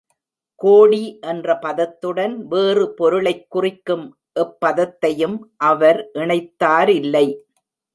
கோடி என்ற பதத்துடன், வேறு பொருளைக் குறிக்கும் எப்பதத்தையும் அவர் இணைத்தாரில்லை!